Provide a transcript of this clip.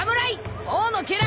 王の家来！